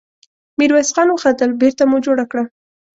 ميرويس خان وخندل: بېرته مو جوړه کړه!